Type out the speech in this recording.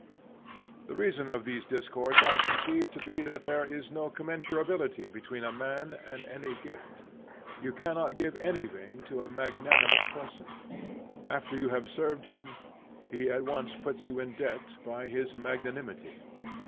The reason of these discords I conceive to be that there is no commensurability between a man and any gift. You cannot give anything to a magnanimous person. After you have served him he at once puts you in debt by his magnanimity.